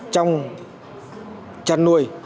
trong trăn nuôi